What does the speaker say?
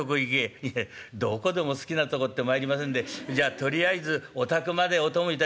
「いやどこでも好きなとこってまいりませんでじゃとりあえずお宅までお供いたしましょう」。